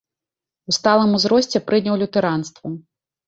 У сталым узросце прыняў лютэранства.